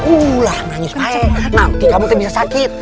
ulah nangis baik nanti kamu tidak bisa sakit